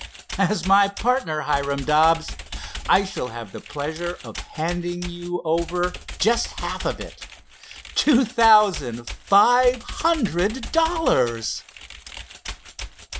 As my partner, Hiram Dobbs, I shall have the pleasure of handing you over just half of it,—two thousand five hundred dollars!"